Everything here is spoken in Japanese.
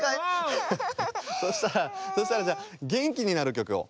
そしたらそしたらじゃげんきになるきょくを。